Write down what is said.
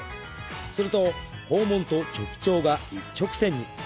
すると肛門と直腸が一直線に。